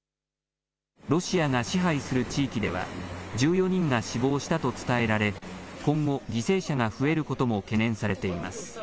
ロシアが支配する地域では１４人が死亡したと伝えられ今後、犠牲者が増えることも懸念されています。